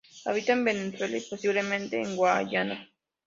Habita en Venezuela y posiblemente en Guayana.